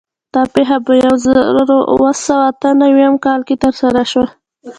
دا پېښه په یو زرو اوه سوه اته نوي م کال کې ترسره شوه.